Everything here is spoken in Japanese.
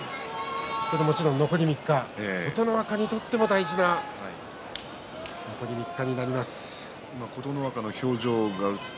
もちろん残り３日琴ノ若にとっても大事な場所になります。